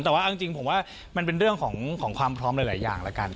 แต่ว่าเอาจริงผมว่ามันเป็นเรื่องของความพร้อมหลายอย่างแล้วกัน